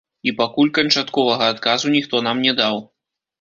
І пакуль канчатковага адказу ніхто нам не даў.